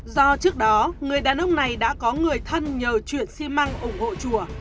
do trước đó người đàn ông này đã có người thân nhờ chuyển xi măng ủng hộ chùa